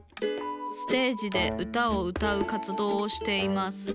ステージで歌を歌う活動をしています。